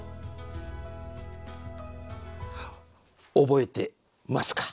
覚えてますか？